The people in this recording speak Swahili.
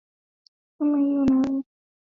kwa hiyo unaweza ukatusaidia humu mahusiano yenu